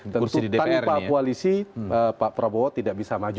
tentu tanpa koalisi pak prabowo tidak bisa maju